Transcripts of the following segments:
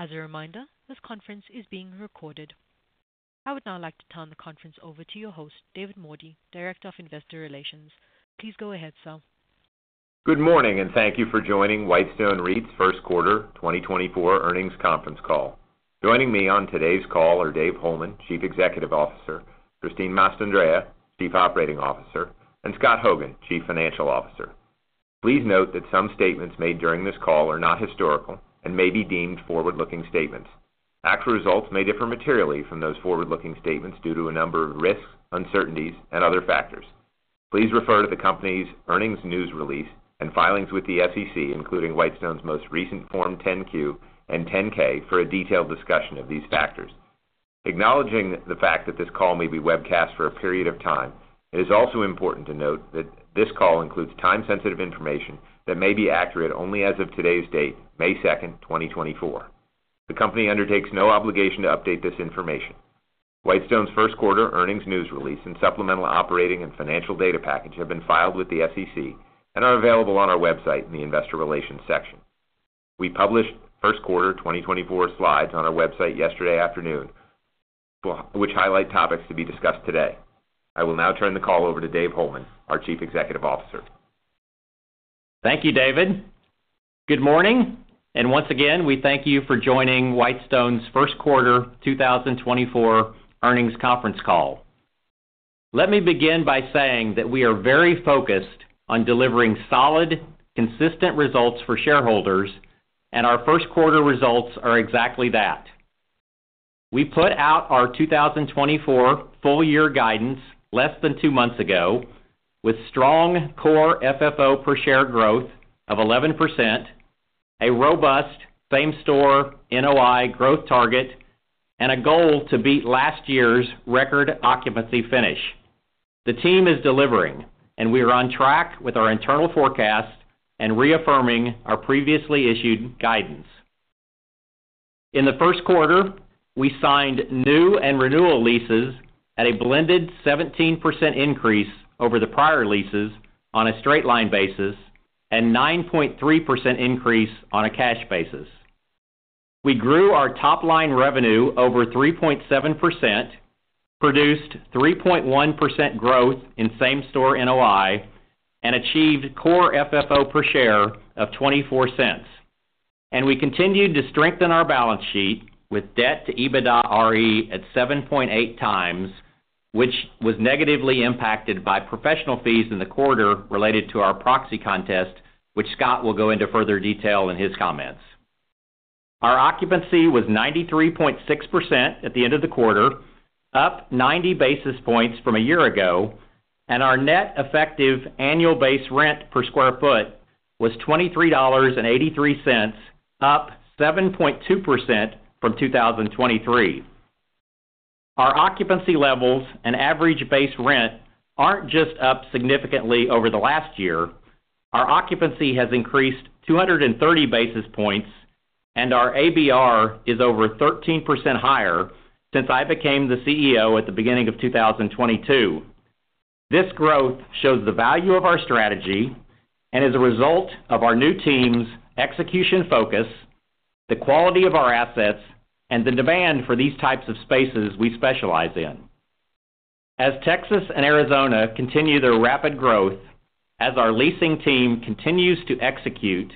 As a reminder, this conference is being recorded. I would now like to turn the conference over to your host, David Mordi, Director of Investor Relations. Please go ahead, sir. Good morning, and thank you for joining Whitestone REIT's First Quarter 2024 Earnings Conference Call. Joining me on today's call are Dave Holeman, Chief Executive Officer, Christine Mastandrea, Chief Operating Officer, and Scott Hogan, Chief Financial Officer. Please note that some statements made during this call are not historical and may be deemed forward-looking statements. Actual results may differ materially from those forward-looking statements due to a number of risks, uncertainties, and other factors. Please refer to the company's earnings news release and filings with the SEC, including Whitestone's most recent Form 10-Q and 10-K, for a detailed discussion of these factors. Acknowledging the fact that this call may be webcast for a period of time, it is also important to note that this call includes time-sensitive information that may be accurate only as of today's date, May 2, 2024. The company undertakes no obligation to update this information. Whitestone's first quarter earnings news release and supplemental operating and financial data package have been filed with the SEC and are available on our website in the Investor Relations section. We published first quarter 2024 slides on our website yesterday afternoon, which highlight topics to be discussed today. I will now turn the call over to David Holeman, our Chief Executive Officer. Thank you, David. Good morning, and once again, we thank you for joining Whitestone's first quarter 2024 earnings conference call. Let me begin by saying that we are very focused on delivering solid, consistent results for shareholders, and our first quarter results are exactly that. We put out our 2024 full-year guidance less than two months ago, with strong Core FFO per share growth of 11%, a robust Same-Store NOI growth target, and a goal to beat last year's record occupancy finish. The team is delivering, and we are on track with our internal forecast and reaffirming our previously issued guidance. In the first quarter, we signed new and renewal leases at a blended 17% increase over the prior leases on a straight-line basis and 9.3% increase on a cash basis. We grew our top-line revenue over 3.7%, produced 3.1% growth in same-store NOI, and achieved Core FFO per share of $0.24. We continued to strengthen our balance sheet with debt to EBITDARE at 7.8x, which was negatively impacted by professional fees in the quarter related to our proxy contest, which Scott will go into further detail in his comments. Our occupancy was 93.6% at the end of the quarter, up 90 basis points from a year ago, and our net effective annual base rent per sq ft was $23.83, up 7.2% from 2023. Our occupancy levels and average base rent aren't just up significantly over the last year. Our occupancy has increased 230 basis points, and our ABR is over 13% higher since I became the CEO at the beginning of 2022. This growth shows the value of our strategy and is a result of our new team's execution focus, the quality of our assets, and the demand for these types of spaces we specialize in. As Texas and Arizona continue their rapid growth, as our leasing team continues to execute,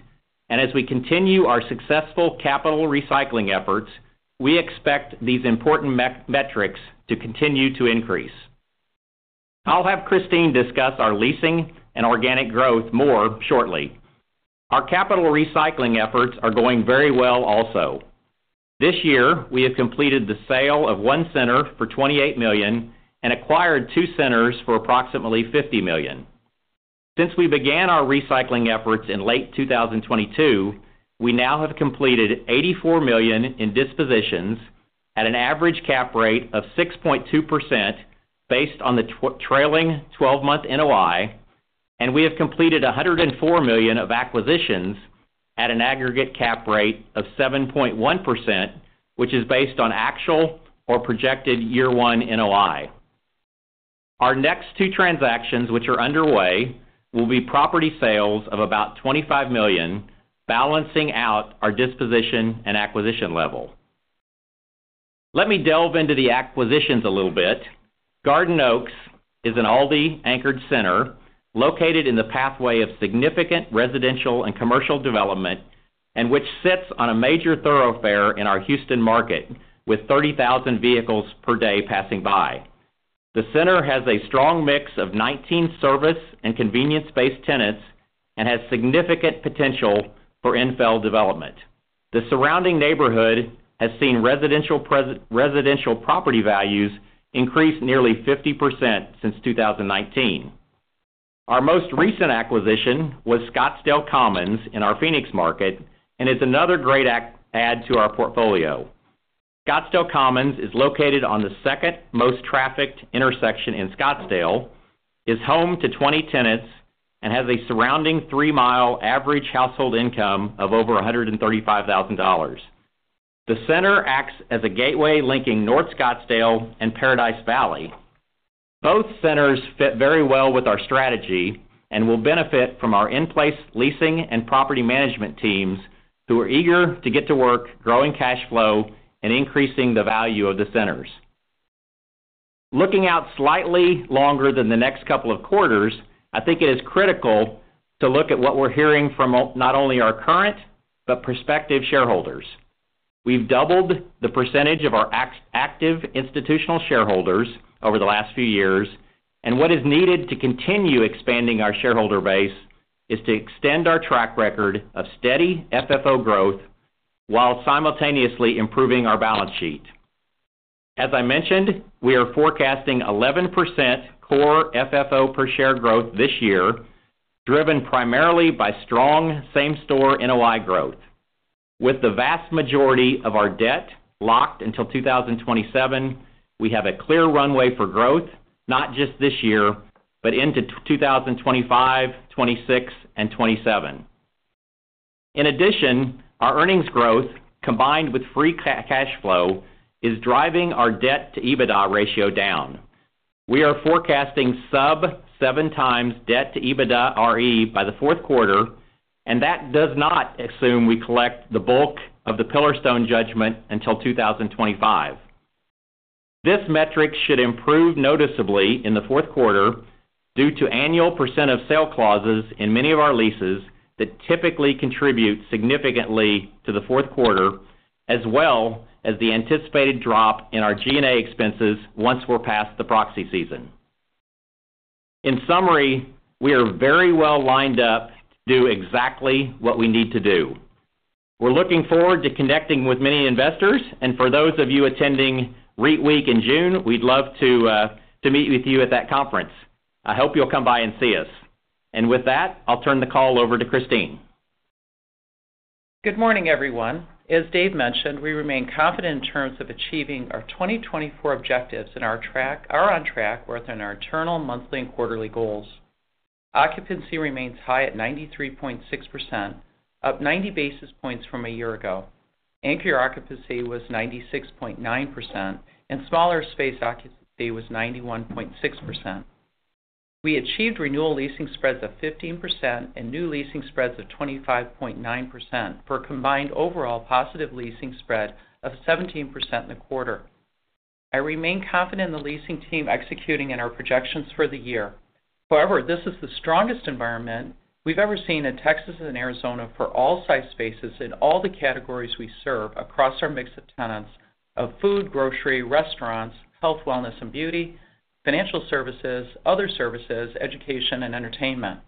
and as we continue our successful capital recycling efforts, we expect these important metrics to continue to increase. I'll have Christine discuss our leasing and organic growth more shortly. Our capital recycling efforts are going very well also. This year, we have completed the sale of one center for $28 million and acquired two centers for approximately $50 million. Since we began our recycling efforts in late 2022, we now have completed $84 million in dispositions at an average cap rate of 6.2%, based on the trailing 12-month NOI, and we have completed $104 million of acquisitions at an aggregate cap rate of 7.1%, which is based on actual or projected year one NOI. Our next two transactions, which are underway, will be property sales of about $25 million, balancing out our disposition and acquisition level. Let me delve into the acquisitions a little bit. Garden Oaks is an Aldi-anchored center located in the pathway of significant residential and commercial development, and which sits on a major thoroughfare in our Houston market, with 30,000 vehicles per day passing by. The center has a strong mix of 19 service and convenience-based tenants and has significant potential for infill development. The surrounding neighborhood has seen residential property values increase nearly 50% since 2019. Our most recent acquisition was Scottsdale Commons in our Phoenix market and is another great add to our portfolio. Scottsdale Commons is located on the second-most trafficked intersection in Scottsdale, is home to 20 tenants, and has a surrounding three-mile average household income of over $135,000. The center acts as a gateway linking North Scottsdale and Paradise Valley. Both centers fit very well with our strategy and will benefit from our in-place leasing and property management teams, who are eager to get to work, growing cash flow and increasing the value of the centers. Looking out slightly longer than the next couple of quarters, I think it is critical to look at what we're hearing from, not only our current, but prospective shareholders. We've doubled the percentage of our active institutional shareholders over the last few years, and what is needed to continue expanding our shareholder base is to extend our track record of steady FFO growth, while simultaneously improving our balance sheet. As I mentioned, we are forecasting 11% Core FFO per share growth this year, driven primarily by strong Same-Store NOI growth. With the vast majority of our debt locked until 2027, we have a clear runway for growth, not just this year, but into 2025, 2026, and 2027. In addition, our earnings growth, combined with free cash flow, is driving our debt-to-EBITDARE ratio down. We are forecasting sub-7x debt-to-EBITDARE by the fourth quarter, and that does not assume we collect the bulk of the Pillarstone judgment until 2025. This metric should improve noticeably in the fourth quarter due to annual percent of sale clauses in many of our leases that typically contribute significantly to the fourth quarter, as well as the anticipated drop in our G&A expenses once we're past the proxy season. In summary, we are very well lined up to do exactly what we need to do. We're looking forward to connecting with many investors, and for those of you attending REITweek in June, we'd love to to meet with you at that conference. I hope you'll come by and see us. With that, I'll turn the call over to Christine. Good morning, everyone. As Dave mentioned, we remain confident in terms of achieving our 2024 objectives and we are on track within our internal monthly and quarterly goals. Occupancy remains high at 93.6%, up 90 basis points from a year ago. Anchor occupancy was 96.9%, and smaller space occupancy was 91.6%. We achieved renewal leasing spreads of 15% and new leasing spreads of 25.9% for a combined overall positive leasing spread of 17% in the quarter. I remain confident in the leasing team executing in our projections for the year. However, this is the strongest environment we've ever seen in Texas and Arizona for all size spaces in all the categories we serve across our mix of tenants of food, grocery, restaurants, health, wellness and beauty, financial services, other services, education, and entertainment.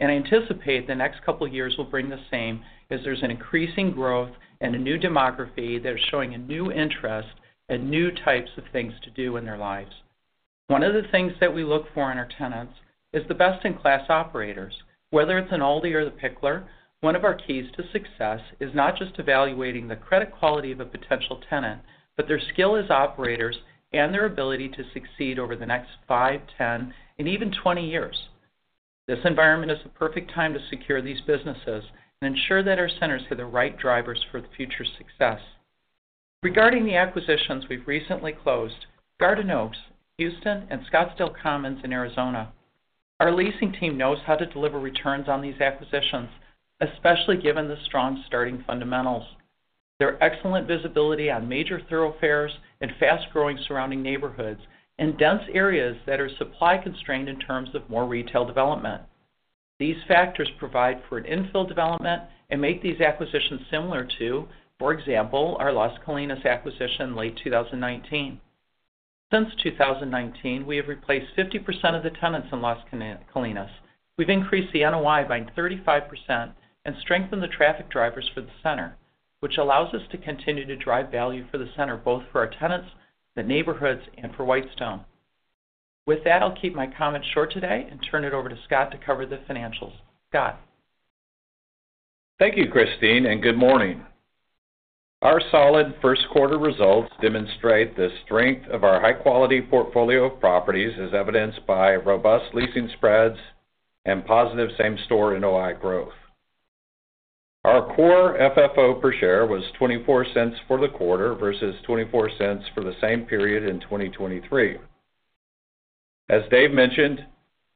I anticipate the next couple of years will bring the same as there's an increasing growth and a new demography that are showing a new interest and new types of things to do in their lives. One of the things that we look for in our tenants is the best-in-class operators. Whether it's an Aldi or the Picklr, one of our keys to success is not just evaluating the credit quality of a potential tenant, but their skill as operators and their ability to succeed over the next 5, 10, and even 20 years. This environment is the perfect time to secure these businesses and ensure that our centers have the right drivers for the future's success. Regarding the acquisitions we've recently closed, Garden Oaks, Houston, and Scottsdale Commons in Arizona. Our leasing team knows how to deliver returns on these acquisitions, especially given the strong starting fundamentals. Their excellent visibility on major thoroughfares and fast-growing surrounding neighborhoods, and dense areas that are supply-constrained in terms of more retail development. These factors provide for an infill development and make these acquisitions similar to, for example, our Las Colinas acquisition in late 2019. Since 2019, we have replaced 50% of the tenants in Las Colinas. We've increased the NOI by 35% and strengthened the traffic drivers for the center, which allows us to continue to drive value for the center, both for our tenants, the neighborhoods, and for Whitestone. With that, I'll keep my comments short today and turn it over to Scott to cover the financials. Scott? Thank you, Christine, and good morning. Our solid first quarter results demonstrate the strength of our high-quality portfolio of properties, as evidenced by robust leasing spreads and positive same-store NOI growth. Our core FFO per share was $0.24 for the quarter versus $0.24 for the same period in 2023. As Dave mentioned,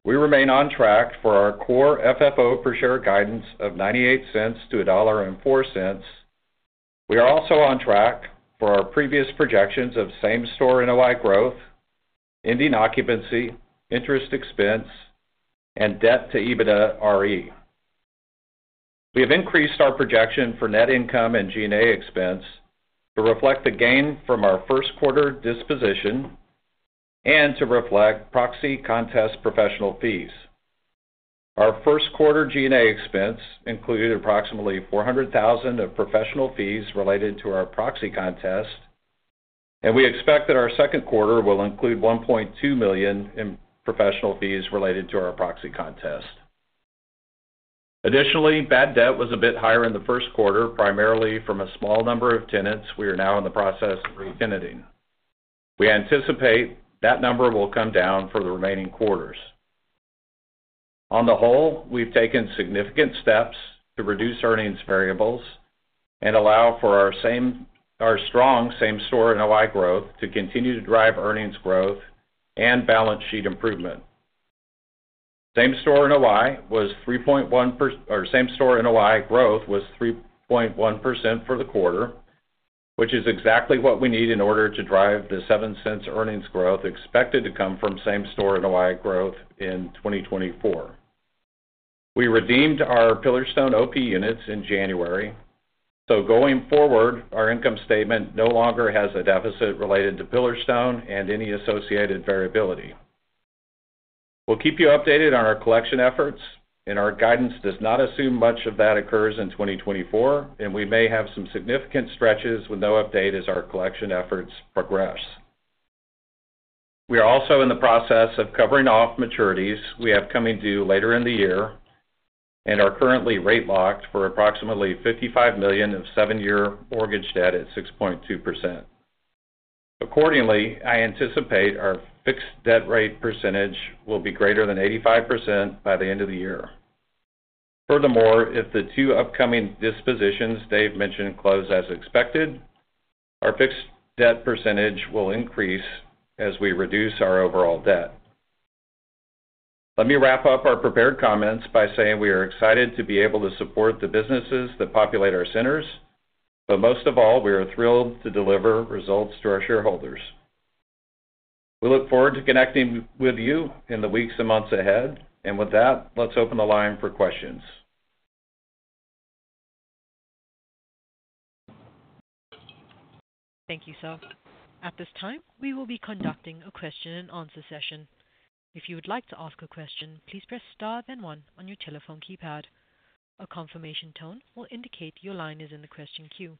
we remain on track for our core FFO per share guidance of $0.98-$1.04. We are also on track for our previous projections of same-store NOI growth, ending occupancy, interest expense, and debt to EBITDARE. We have increased our projection for net income and G&A expense to reflect the gain from our first quarter disposition and to reflect proxy contest professional fees. Our first quarter G&A expense included approximately $400,000 of professional fees related to our proxy contest, and we expect that our second quarter will include $1.2 million in professional fees related to our proxy contest. Additionally, bad debt was a bit higher in the first quarter, primarily from a small number of tenants we are now in the process of retenanting. We anticipate that number will come down for the remaining quarters. ...On the whole, we've taken significant steps to reduce earnings variables and allow for our strong same-store NOI growth to continue to drive earnings growth and balance sheet improvement. Same-store NOI growth was 3.1% for the quarter, which is exactly what we need in order to drive the $0.07 earnings growth expected to come from same-store NOI growth in 2024. We redeemed our Pillarstone OP units in January, so going forward, our income statement no longer has a deficit related to Pillarstone and any associated variability. We'll keep you updated on our collection efforts, and our guidance does not assume much of that occurs in 2024, and we may have some significant stretches with no update as our collection efforts progress. We are also in the process of covering off maturities we have coming due later in the year and are currently rate locked for approximately $55 million of seven-year mortgage debt at 6.2%. Accordingly, I anticipate our fixed debt rate percentage will be greater than 85% by the end of the year. Furthermore, if the two upcoming dispositions Dave mentioned close as expected, our fixed debt percentage will increase as we reduce our overall debt. Let me wrap up our prepared comments by saying we are excited to be able to support the businesses that populate our centers, but most of all, we are thrilled to deliver results to our shareholders. We look forward to connecting with you in the weeks and months ahead. And with that, let's open the line for questions. Thank you, sir. At this time, we will be conducting a question-and-answer session. If you would like to ask a question, please press star, then one on your telephone keypad. A confirmation tone will indicate your line is in the question queue.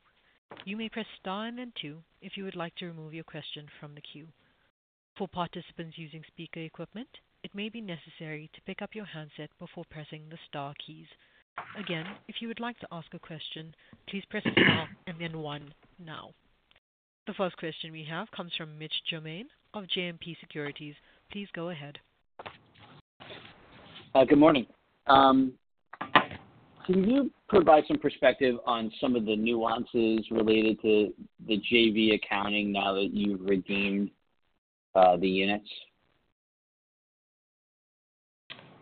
You may press star and then two, if you would like to remove your question from the queue. For participants using speaker equipment, it may be necessary to pick up your handset before pressing the star keys. Again, if you would like to ask a question, please press star and then one now. The first question we have comes from Mitch Germain of JMP Securities. Please go ahead. Good morning. Can you provide some perspective on some of the nuances related to the JV accounting now that you've redeemed the units?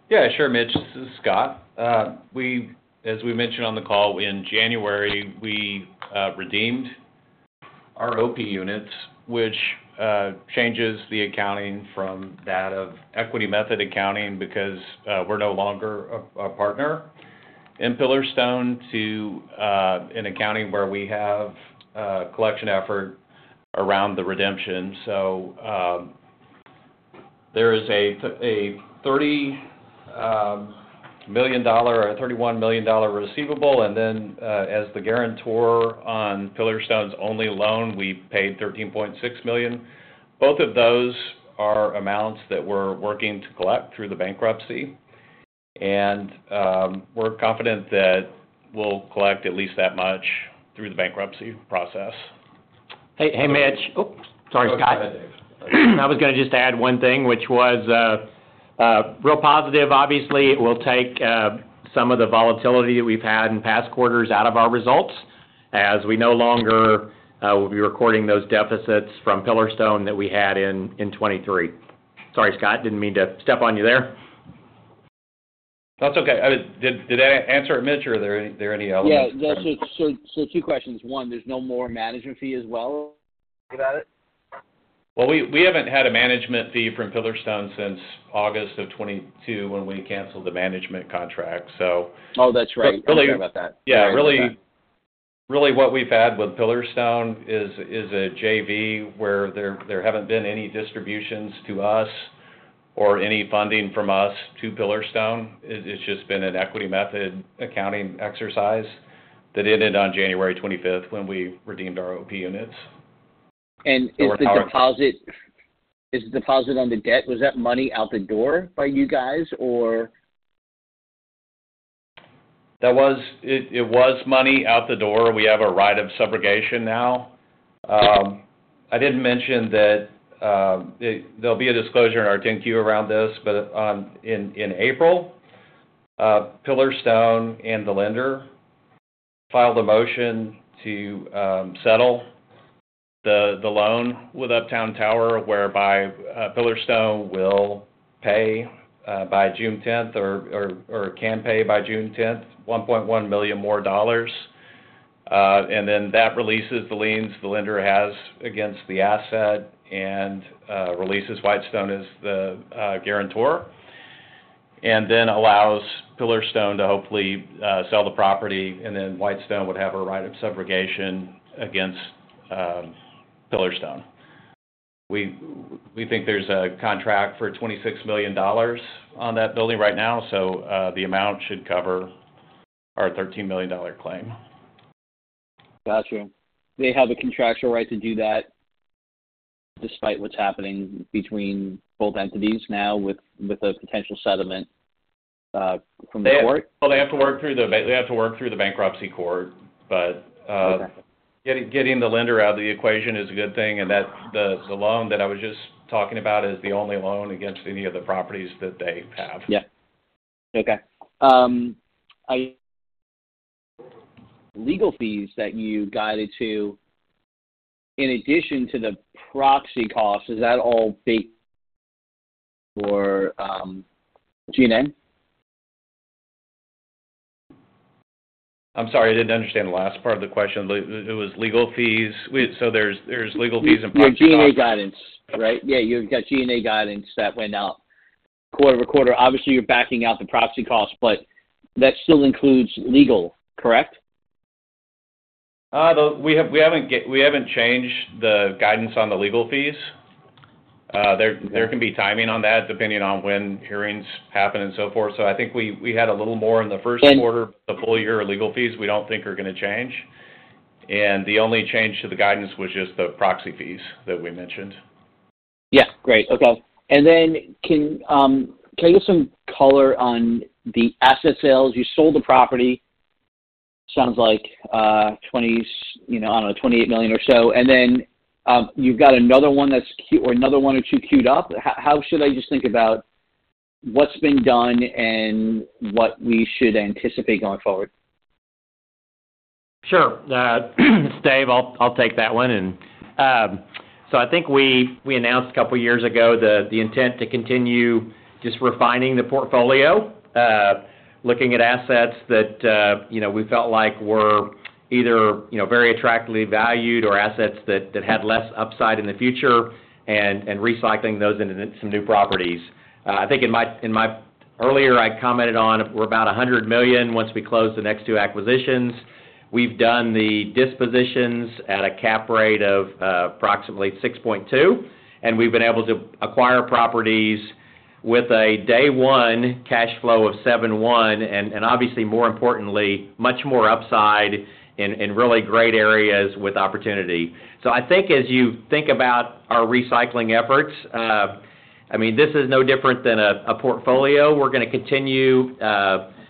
Yeah, sure, Mitch. This is Scott. We, as we mentioned on the call, in January, we redeemed our OP units, which changes the accounting from that of equity method accounting because we're no longer a partner in Pillarstone to an accounting where we have a collection effort around the redemption. So, there is a $31 million receivable, and then, as the guarantor on Pillarstone's only loan, we paid $13.6 million. Both of those are amounts that we're working to collect through the bankruptcy, and we're confident that we'll collect at least that much through the bankruptcy process. Hey, hey, Mitch. Oh, sorry, Scott. Go ahead, Dave. I was gonna just add one thing, which was, a real positive. Obviously, we'll take, some of the volatility that we've had in past quarters out of our results, as we no longer, will be recording those deficits from Pillarstone that we had in, in 2023. Sorry, Scott, didn't mean to step on you there. That's okay. I mean, did I answer it, Mitch, or are there any elements? Yeah. So two questions. One, there's no more management fee as well about it? Well, we haven't had a management fee from Pillarstone since August of 2022, when we canceled the management contract, so. Oh, that's right. Really- Sorry about that. Yeah, really what we've had with Pillarstone is a JV, where there haven't been any distributions to us or any funding from us to Pillarstone. It's just been an equity method accounting exercise that ended on January 25th, when we redeemed our OP units. Is the deposit on the debt, was that money out the door by you guys, or? It was money out the door. We have a right of subrogation now. I did mention that, it—there'll be a disclosure in our 10-Q around this, but in April, Pillarstone and the lender filed a motion to settle the loan with Uptown Tower, whereby Pillarstone will pay by June 10th or can pay by June 10th, $1.1 million more dollars. And then that releases the liens the lender has against the asset and releases Whitestone as the guarantor, and then allows Pillarstone to hopefully sell the property, and then Whitestone would have a right of subrogation against Pillarstone. We think there's a contract for $26 million on that building right now, so the amount should cover our $13 million claim. Got you. They have a contractual right to do that, despite what's happening between both entities now with a potential settlement from the court? Well, they have to work through the bankruptcy court, but Okay. ... Getting the lender out of the equation is a good thing, and that's the loan that I was just talking about is the only loan against any of the properties that they have. Yeah. Okay. Legal fees that you guided to, in addition to the proxy costs, is that all baked for G&A? I'm sorry, I didn't understand the last part of the question. It was legal fees. We. So there's legal fees and proxy costs. Your G&A guidance, right? Yeah, you've got G&A guidance that went out quarter-over-quarter. Obviously, you're backing out the proxy costs, but that still includes legal, correct? We haven't changed the guidance on the legal fees. There can be timing on that, depending on when hearings happen and so forth. So I think we had a little more in the first quarter. And- The full year legal fees, we don't think are going to change. The only change to the guidance was just the proxy fees that we mentioned. Yeah. Great. Okay. And then can you give some color on the asset sales? You sold the property, sounds like, 20, you know, I don't know, $28 million or so. And then, you've got another one that's queued up or another one or two queued up. How should I just think about what's been done and what we should anticipate going forward? Sure. Dave, I'll take that one. So I think we announced a couple of years ago the intent to continue just refining the portfolio, looking at assets that you know we felt like were either you know very attractively valued or assets that had less upside in the future, and recycling those into some new properties. I think earlier I commented on, we're about $100 million once we close the next two acquisitions. We've done the dispositions at a cap rate of approximately 6.2%, and we've been able to acquire properties with a day one cash flow of 7.1%, and obviously, more importantly, much more upside in really great areas with opportunity. So I think as you think about our recycling efforts, I mean, this is no different than a portfolio. We're going to continue,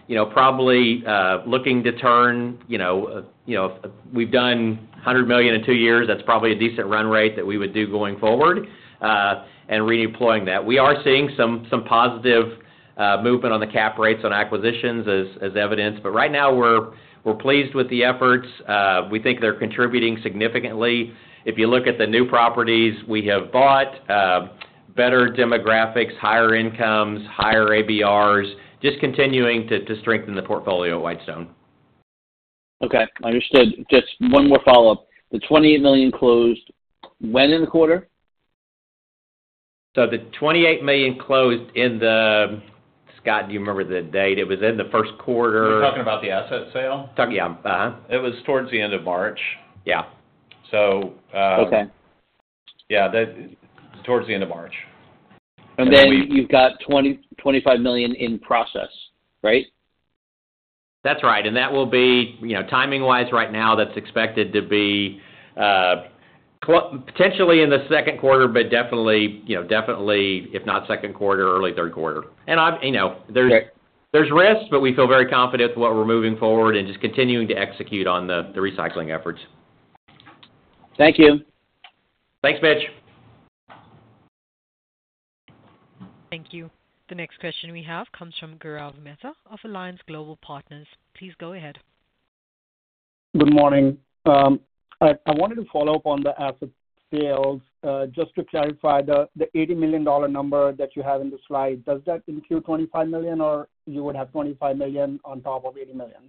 you know, probably looking to turn, you know, you know, we've done $100 million in two years. That's probably a decent run rate that we would do going forward, and redeploying that. We are seeing some positive movement on the cap rates on acquisitions as evidenced, but right now we're pleased with the efforts. We think they're contributing significantly. If you look at the new properties we have bought, better demographics, higher incomes, higher ABRs, just continuing to strengthen the portfolio at Whitestone. Okay, understood. Just one more follow-up. The $20 million closed when in the quarter? The $28 million closed in the... Scott, do you remember the date? It was in the first quarter. You're talking about the asset sale? Talking, yeah. Uh-huh. It was towards the end of March. Yeah. So, uh- Okay. Yeah, towards the end of March. Then you've got $20 million-$25 million in process, right? That's right. And that will be, you know, timing-wise right now, that's expected to be potentially in the second quarter, but definitely, you know, definitely, if not second quarter, early third quarter. And I've, you know, there's- Great... There's risks, but we feel very confident with what we're moving forward and just continuing to execute on the recycling efforts. Thank you. Thanks, Mitch. Thank you. The next question we have comes from Gaurav Mehta of Alliance Global Partners. Please go ahead. Good morning. I wanted to follow up on the asset sales. Just to clarify the $80 million number that you have in the slide, does that include $25 million, or you would have $25 million on top of $80 million?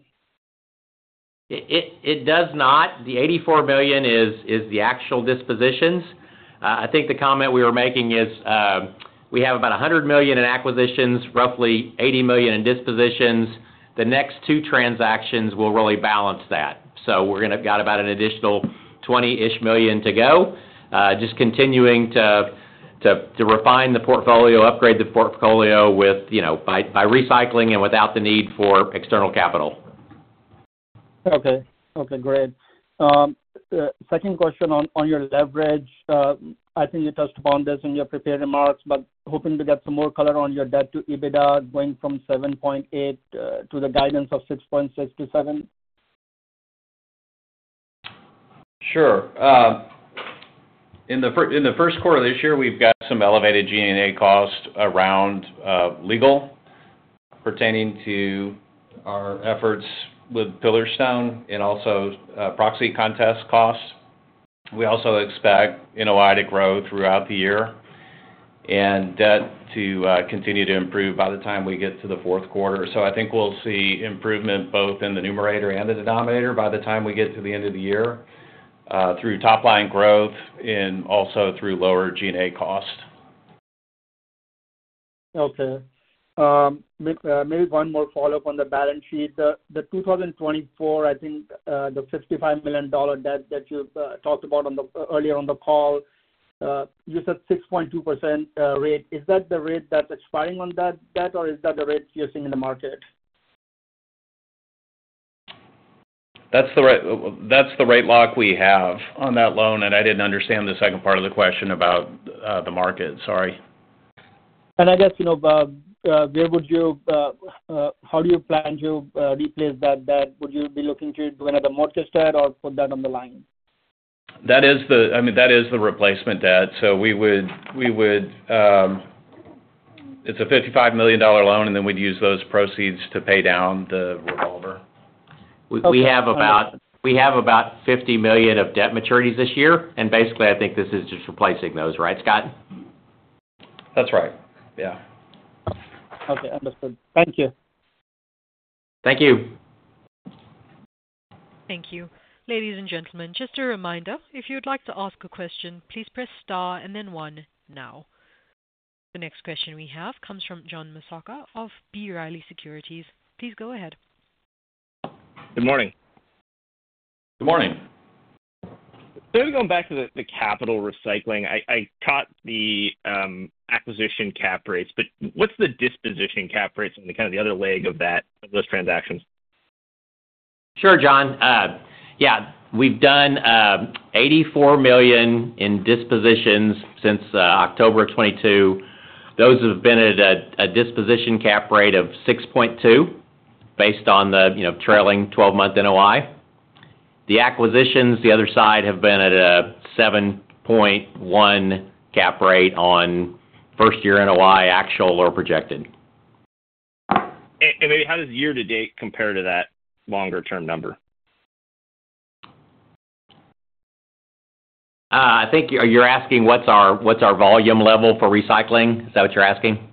It does not. The $84 million is the actual dispositions. I think the comment we were making is, we have about $100 million in acquisitions, roughly $80 million in dispositions. The next two transactions will really balance that. So we're gonna got about an additional $20-ish million to go. Just continuing to refine the portfolio, upgrade the portfolio with, you know, by recycling and without the need for external capital. Okay. Okay, great. Second question on, on your leverage. I think you touched upon this in your prepared remarks, but hoping to get some more color on your debt to EBITDA going from 7.8 to the guidance of 6.6 to 7. Sure. In the first quarter of this year, we've got some elevated G&A costs around legal pertaining to our efforts with Pillarstone and also proxy contest costs. We also expect NOI to grow throughout the year and debt to continue to improve by the time we get to the fourth quarter. So I think we'll see improvement both in the numerator and the denominator by the time we get to the end of the year through top line growth and also through lower G&A costs. Okay. Maybe one more follow-up on the balance sheet. The 2024, I think, the $55 million debt that you talked about earlier on the call, you said 6.2% rate. Is that the rate that's expiring on that debt, or is that the rate you're seeing in the market? That's the rate lock we have on that loan, and I didn't understand the second part of the question about the market. Sorry.... And I guess, you know, how do you plan to replace that debt? Would you be looking to do another mortgage debt or put that on the line? That is the, I mean, that is the replacement debt. So we would, it's a $55 million loan, and then we'd use those proceeds to pay down the revolver. We have about $50 million of debt maturities this year, and basically, I think this is just replacing those. Right, Scott? That's right. Yeah. Okay, understood. Thank you. Thank you. Thank you. Ladies and gentlemen, just a reminder, if you'd like to ask a question, please press Star and then one now. The next question we have comes from John Massocca of B. Riley Securities. Please go ahead. Good morning. Good morning. Going back to the capital recycling, I caught the acquisition cap rates, but what's the disposition cap rates and the kind of the other leg of those transactions? Sure, John. Yeah, we've done $84 million in dispositions since October 2022. Those have been at a disposition cap rate of 6.2, based on the, you know, trailing 12-month NOI. The acquisitions, the other side, have been at a 7.1 cap rate on first-year NOI, actual or projected. Maybe how does year to date compare to that longer-term number? I think you're asking what's our, what's our volume level for recycling? Is that what you're asking?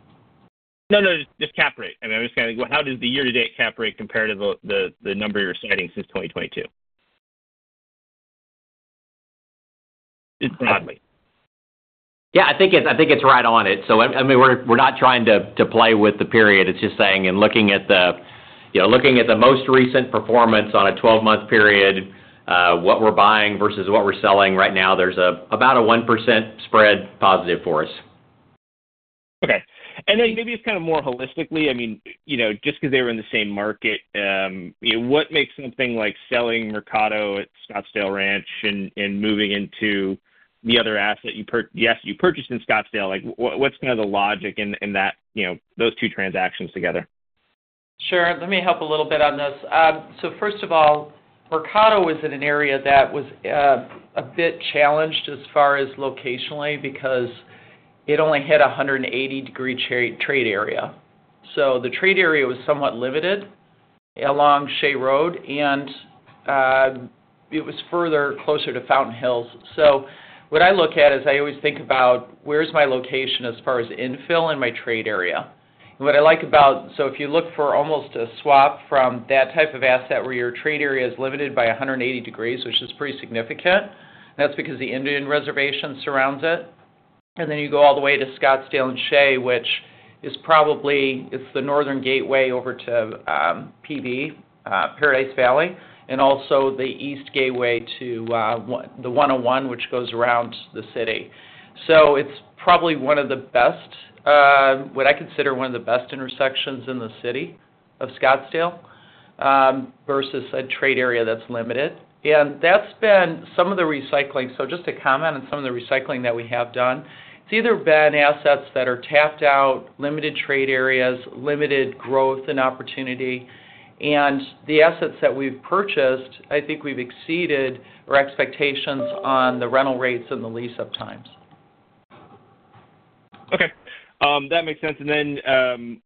No, no, just cap rate. I mean, I'm just kind of—how does the year-to-date cap rate compare to the number you're citing since 2022? Roughly. Yeah, I think it's, I think it's right on it. So, I mean, we're not trying to play with the period. It's just saying in looking at the, you know, looking at the most recent performance on a 12-month period, what we're buying versus what we're selling right now, there's about a 1% spread positive for us. Okay. And then maybe it's kind of more holistically, I mean, you know, just because they were in the same market, you know, what makes something like selling Mercado at Scottsdale Ranch and moving into the other asset you purchased in Scottsdale? Like, what's kind of the logic in that, you know, those two transactions together? Sure. Let me help a little bit on this. So first of all, Mercado was in an area that was a bit challenged as far as locationally, because it only had a 180-degree trade area. So the trade area was somewhat limited along Shea Road, and it was further closer to Fountain Hills. So what I look at is I always think about where's my location as far as infill and my trade area. And what I like about, so if you look for almost a swap from that type of asset where your trade area is limited by 180 degrees, which is pretty significant, that's because the Indian reservation surrounds it. And then you go all the way to Scottsdale and Shea, which is probably, it's the northern gateway over to, PV, Paradise Valley, and also the east gateway to, the 101, which goes around the city. So it's probably one of the best, what I consider one of the best intersections in the city of Scottsdale, versus a trade area that's limited. And that's been some of the recycling. So just to comment on some of the recycling that we have done, it's either been assets that are tapped out, limited trade areas, limited growth and opportunity, and the assets that we've purchased, I think we've exceeded our expectations on the rental rates and the lease-up times. Okay, that makes sense. And then,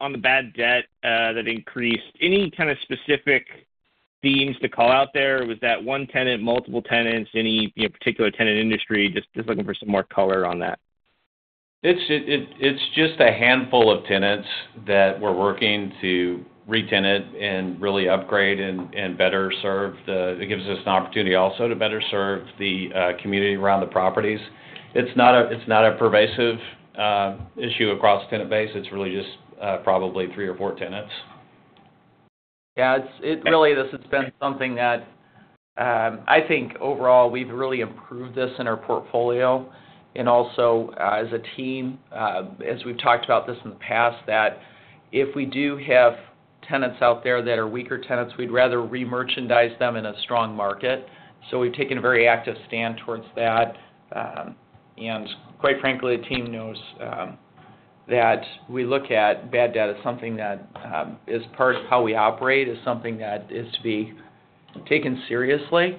on the bad debt, that increased, any kind of specific themes to call out there? Was that one tenant, multiple tenants, any, you know, particular tenant industry? Just looking for some more color on that. It's just a handful of tenants that we're working to retenant and really upgrade and better serve the community around the properties. It gives us an opportunity also to better serve the community around the properties. It's not a pervasive issue across the tenant base. It's really just probably three or four tenants. Yeah, it's really this has been something that I think overall we've really improved this in our portfolio and also as a team, as we've talked about this in the past, that if we do have tenants out there that are weaker tenants, we'd rather remerchandise them in a strong market. So we've taken a very active stand towards that. And quite frankly, the team knows that we look at bad debt as something that is part of how we operate, is something that is to be taken seriously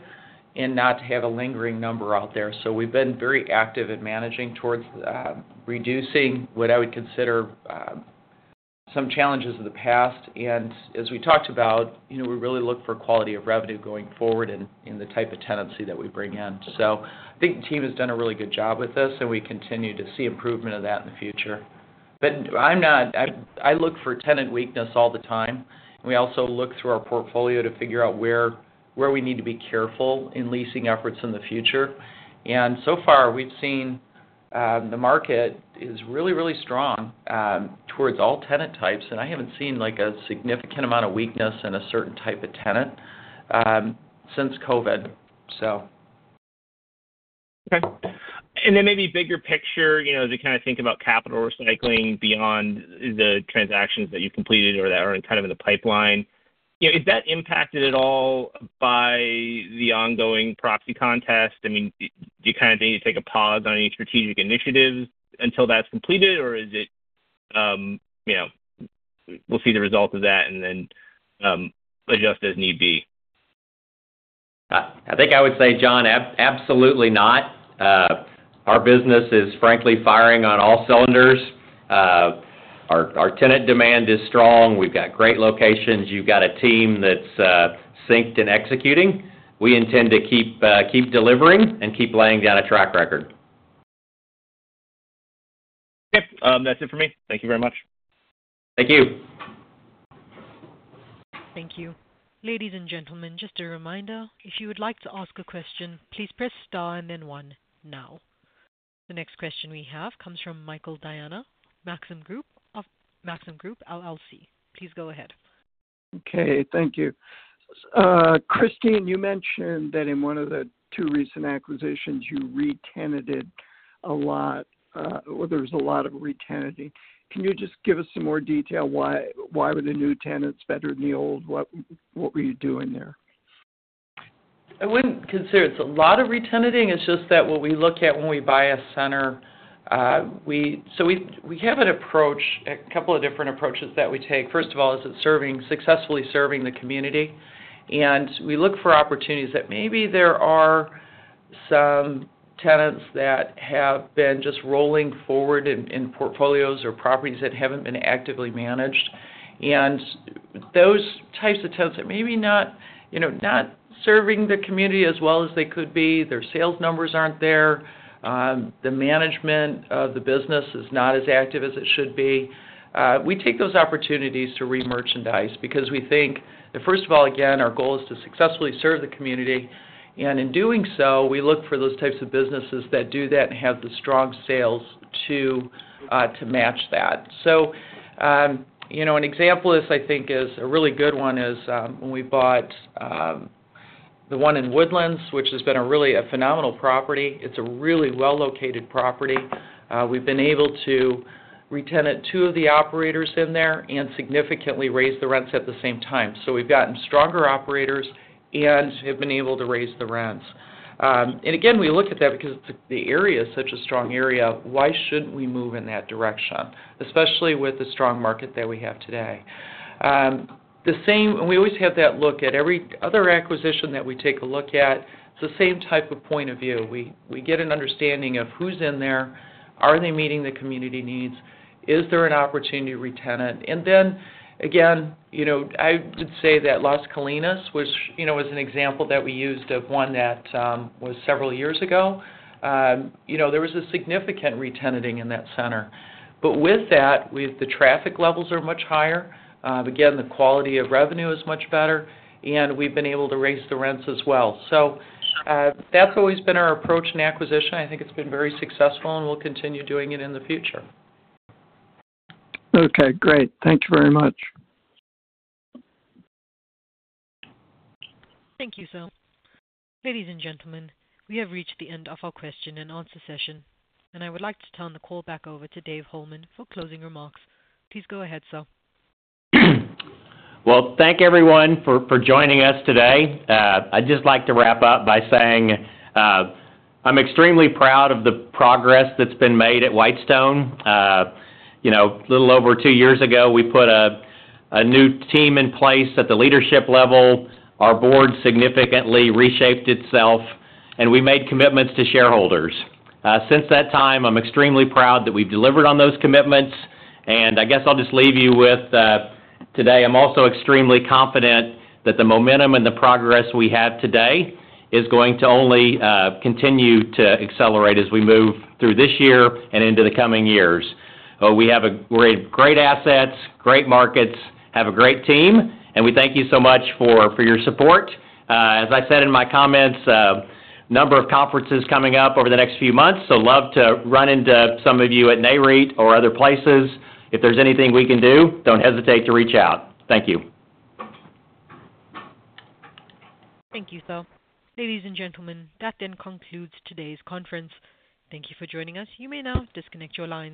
and not to have a lingering number out there. So we've been very active in managing towards reducing what I would consider some challenges in the past. And as we talked about, you know, we really look for quality of revenue going forward and the type of tenancy that we bring in. So I think the team has done a really good job with this, and we continue to see improvement of that in the future. But I'm not. I look for tenant weakness all the time, and we also look through our portfolio to figure out where we need to be careful in leasing efforts in the future. And so far, we've seen the market is really, really strong towards all tenant types, and I haven't seen, like, a significant amount of weakness in a certain type of tenant since COVID. So... Okay. And then maybe bigger picture, you know, as you kind of think about capital recycling beyond the transactions that you completed or that are kind of in the pipeline... Yeah, is that impacted at all by the ongoing Proxy Contest? I mean, do you kind of need to take a pause on any strategic initiatives until that's completed? Or is it, you know, we'll see the result of that and then, adjust as need be? I think I would say, John, absolutely not. Our business is frankly firing on all cylinders. Our tenant demand is strong. We've got great locations. You've got a team that's synced and executing. We intend to keep delivering and keep laying down a track record. Okay, that's it for me. Thank you very much. Thank you. Thank you. Ladies and gentlemen, just a reminder, if you would like to ask a question, please press star and then one now. The next question we have comes from Michael Diana of Maxim Group, LLC. Please go ahead. Okay. Thank you. Christine, you mentioned that in one of the two recent acquisitions, you re-tenanted a lot, or there was a lot of re-tenanting. Can you just give us some more detail why, why were the new tenants better than the old? What, what were you doing there? I wouldn't consider it's a lot of re-tenanting. It's just that what we look at when we buy a center, we... So we have an approach, a couple of different approaches that we take. First of all, is it serving, successfully serving the community? And we look for opportunities that maybe there are some tenants that have been just rolling forward in portfolios or properties that haven't been actively managed. And those types of tenants that maybe not, you know, not serving the community as well as they could be, their sales numbers aren't there, the management of the business is not as active as it should be. We take those opportunities to re-merchandise because we think that, first of all, again, our goal is to successfully serve the community, and in doing so, we look for those types of businesses that do that and have the strong sales to match that. So, you know, an example of this, I think, is a really good one, when we bought the one in The Woodlands, which has been really a phenomenal property. It's a really well-located property. We've been able to re-tenant two of the operators in there and significantly raise the rents at the same time. So we've gotten stronger operators and have been able to raise the rents. And again, we look at that because the area is such a strong area, why shouldn't we move in that direction, especially with the strong market that we have today? The same, and we always have that look at every other acquisition that we take a look at, it's the same type of point of view. We get an understanding of who's in there, are they meeting the community needs? Is there an opportunity to re-tenant? And then, again, you know, I would say that Las Colinas, which, you know, is an example that we used of one that was several years ago. You know, there was a significant re-tenanting in that center, but with that, the traffic levels are much higher. Again, the quality of revenue is much better, and we've been able to raise the rents as well. So, that's always been our approach in acquisition. I think it's been very successful, and we'll continue doing it in the future. Okay, great. Thank you very much. Thank you, sir. Ladies and gentlemen, we have reached the end of our question-and-answer session, and I would like to turn the call back over to Dave Holeman for closing remarks. Please go ahead, sir. Well, thank everyone for joining us today. I'd just like to wrap up by saying, I'm extremely proud of the progress that's been made at Whitestone. You know, a little over two years ago, we put a new team in place at the leadership level. Our board significantly reshaped itself, and we made commitments to shareholders. Since that time, I'm extremely proud that we've delivered on those commitments, and I guess I'll just leave you with, today, I'm also extremely confident that the momentum and the progress we have today is going to only continue to accelerate as we move through this year and into the coming years. We have great, great assets, great markets, have a great team, and we thank you so much for your support. As I said in my comments, a number of conferences coming up over the next few months, so love to run into some of you at Nareit or other places. If there's anything we can do, don't hesitate to reach out. Thank you. Thank you, sir. Ladies and gentlemen, that then concludes today's conference. Thank you for joining us. You may now disconnect your lines.